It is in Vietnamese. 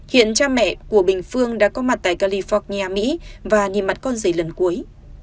hiện cha mẹ của bình phương đã có mặt tại california mỹ và nhìn mặt con giày lần cuối